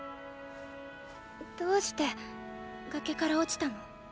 どうして崖から落ちたの？